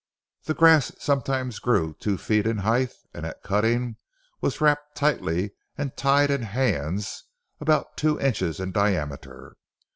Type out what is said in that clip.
The grass sometimes grew two feet in height, and at cutting was wrapped tightly and tied in "hands" about two inches in diameter.